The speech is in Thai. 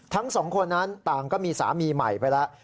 ทั้งสองคนนั้นต่างก็มีสามีใหม่ไปแล้ว